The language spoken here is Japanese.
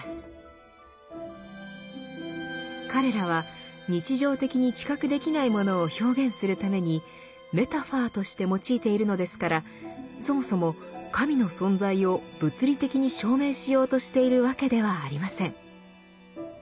彼らは日常的に知覚できないものを表現するためにメタファーとして用いているのですからそもそも神の存在を物理的に証明しようとしているわけではありません。